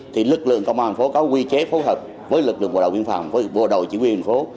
thì lực lượng công an phố có quy chế phối hợp với lực lượng bộ đội viên phòng với bộ đội chỉ huy viên phố